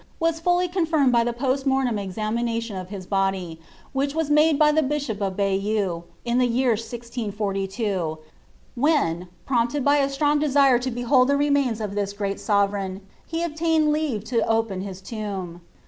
wa.» fully confirmed by the posl morlem e» ^ amination of his body, which was made by the Bishop of Baj eux, in ths year IS IZ, when, prompted by a strong desire to behold the remains of this great sovereign, he obtained leave to open his tomb.